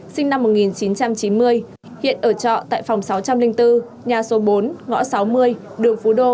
sinh năm một nghìn chín trăm chín mươi hiện ở trọ tại phòng sáu trăm linh bốn nhà số bốn ngõ sáu mươi đường phú đô